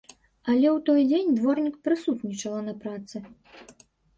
Але ў той дзень дворнік прысутнічала на працы.